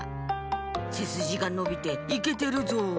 『せすじがのびていけてるぞ！』